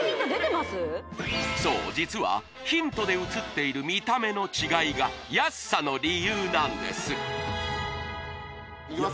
そう実はヒントで映っている見た目の違いが安さの理由なんですいや